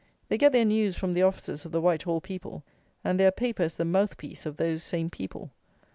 They get their news from the offices of the Whitehall people, and their paper is the mouth piece of those same people.